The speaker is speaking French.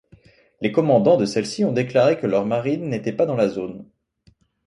Les commandants de celle-ci ont déclaré que leurs marines n'étaient pas dans la zone.